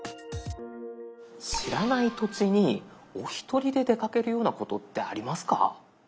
知らない土地にお一人で出かけるようなことってありますか？